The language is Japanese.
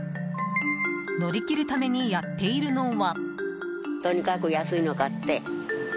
乗り切るためにやっているのは。